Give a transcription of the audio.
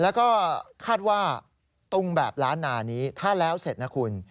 แล้วก็คาดว่าตุงแบบล้านนานี้ถ้าแล้วเสร็จนะคุณ